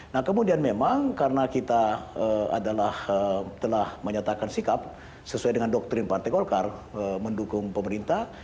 nah kemudian memang karena kita adalah telah menyatakan sikap sesuai dengan doktrin partai golkar mendukung pemerintah